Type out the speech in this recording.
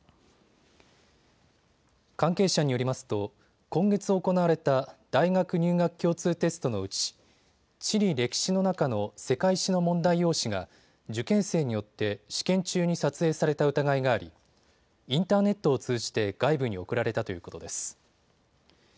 関係者によりますと今月行われた大学入学共通テストのうち地理歴史の中の世界史の問題用紙が受験生によって試験中に撮影された疑いがありインターネットを通じて外部に送られたということです。